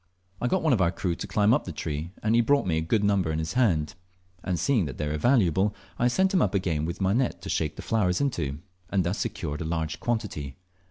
I got one of our crew to climb up the tree, and he brought me a good number in his hand; and seeing they were valuable, I sent him up again with my net to shake the flowers into, and thus secured a large quantity.